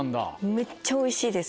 めっちゃおいしいです。